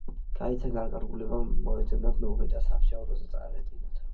გაიცა განკარგულება, მოეძებნათ მეუფე და სამსჯავროზე წარედგინათ.